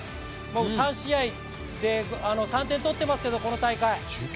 ３試合で３点取っていますけれどもこの大会。